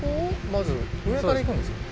まず上からいくんですか？